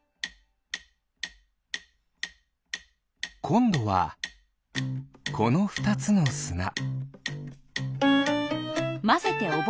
こんどはこのふたつのすな。